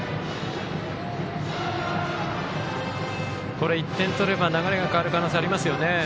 これ１点取れば、流れが変わる可能性ありますよね。